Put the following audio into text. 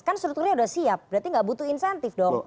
kan strukturnya sudah siap berarti nggak butuh insentif dong